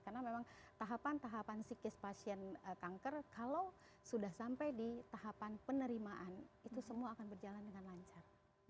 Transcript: karena memang tahapan tahapan psikis pasien kanker kalau sudah sampai di tahapan penerimaan itu semua akan berjalan dengan lancar